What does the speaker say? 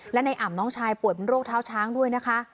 และในอ่ำน้องชายป่วยเป็นโรคเท้าช้างด้วยนะคะ